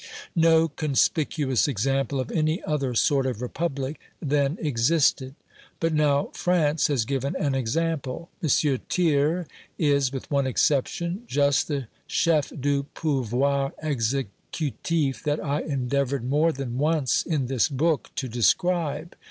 No conspicuous example of any other sort of Republic then existed. But now France has given an example M. Thiers is (with one exception) just the chef du pouvoir executif that I endeavoured more than once in this book to describe.